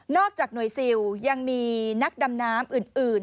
จากหน่วยซิลยังมีนักดำน้ำอื่น